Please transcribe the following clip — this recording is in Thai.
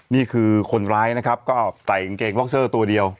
นี่คือคนร้ายนะครับก็ใส่กางเกงบ็อกเซอร์ตัวเดียว